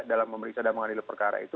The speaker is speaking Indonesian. dalam pemeriksa dan mengandil perkara itu